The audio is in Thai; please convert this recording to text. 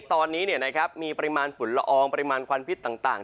ตอนนี้มีปริมาณฝุ่นละอองปริมาณควันพิษต่าง